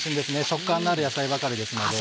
食感のある野菜ばかりですので。